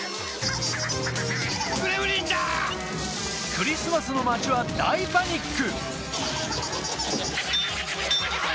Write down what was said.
クリスマスの街は大パニック！